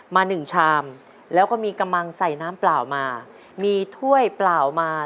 หนึ่งชามแล้วก็มีกำลังใส่น้ำเปล่ามามีถ้วยเปล่ามา